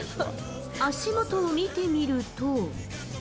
足元を見てみると。